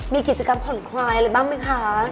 มีกิจกรรมผลควายอะไรบ้างมั้ยคะ